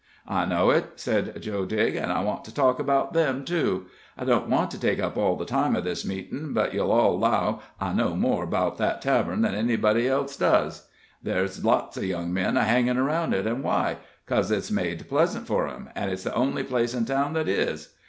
"I know it," said Joe Digg, "an' I want to talk about them too. I don't wan't to take up all the time of this meetin', but you'll all 'low I know more 'bout that tavern than any body else does. Ther' is lots of young men a hanging aroun' it, an' why 'cos it's made pleasant for 'em, an' it's the only place in town that is.